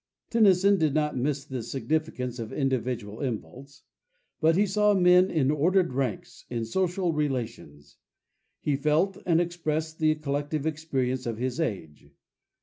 Tennyson did not miss the significance of individual impulse; but he saw men in ordered ranks, in social relations. He felt and expressed the collective experience of his age.